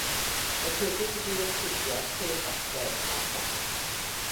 Roedd hefyd wedi astudio pêl-fasged a thrac.